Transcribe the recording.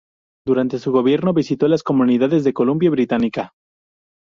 Durante su gobierno, visitó las comunidades de Columbia Británica.